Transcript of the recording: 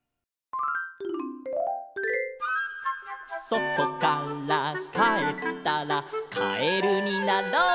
「そとからかえったらカエルになろう」